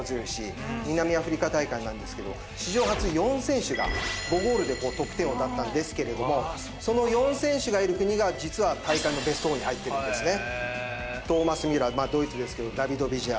南アフリカ大会なんですけど史上初４選手が５ゴールで得点王だったんですけれどもその４選手がいる国が実は大会のベスト４に入ってるんですね。